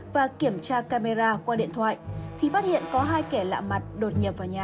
và kiểm tra camera qua điện thoại thì phát hiện có hai kẻ lạ mặt đột nhập vào nhà